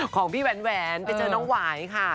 ของพี่แหวนไปเจอน้องหวายค่ะ